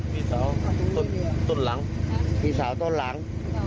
พี่สาวต้นหลังพี่สาวต้นหลัง